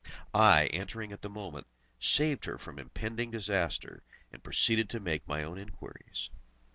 I, entering at the moment, saved her from impending disaster, and proceeded to make my own inquiries.